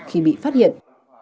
khi bị phát hiện